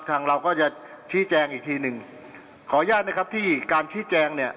เราก็จะชี้แจงอีกทีหนึ่งขออนุญาตนะครับที่การชี้แจงเนี่ย